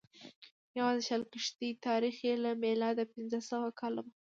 یوازې شل کښتۍ تاریخ یې له میلاده پنځه سوه کاله مخکې دی.